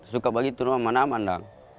suka begitu mana mana